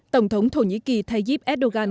tổng thống thổ nhĩ kỳ tayyip erdogan